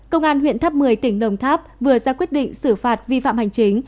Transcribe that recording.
công an huyện tháp một mươi tỉnh đồng tháp vừa ra quyết định xử phạt vi phạm hành chính